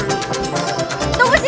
tunggu sini ya